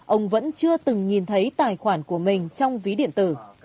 ông vẫn chưa từng nhìn thấy tài khoản của mình trong ví điện tử